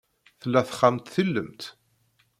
Tella texxamt tilemt?